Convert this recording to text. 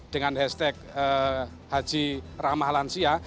dengan hashtag haji ramah lansia